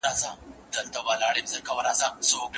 بوره به خلکو ته ووېشل شي.